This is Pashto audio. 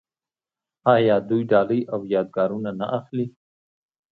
آیا دوی ډالۍ او یادګارونه نه اخلي؟